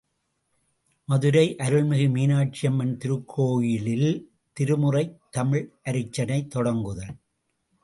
● மதுரை அருள்மிகு மீனாட்சியம்மன் திருக்கோயிலில் திருமுறைத் தமிழ் அருச்சனை தொடங்குதல்.